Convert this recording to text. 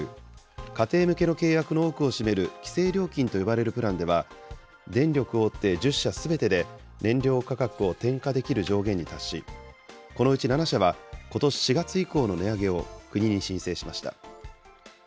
家庭向けの契約の多くを占める規制料金と呼ばれるプランでは、電力大手１０社すべてで燃料価格を転嫁できる上限に達し、このうち７社は、ことし４月以降の値上げを国に申請しました。